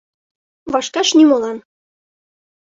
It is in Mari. — Вашкаш нимолан.